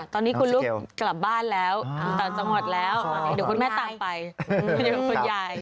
ตอนนี้คุณลุกกลับบ้านแล้วต่างจังหวัดแล้วเดี๋ยวคุณแม่ตามไปเดี๋ยวคุณยาย